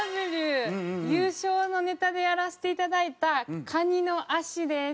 ＴＨＥＷ優勝のネタでやらせていただいたカニの足です。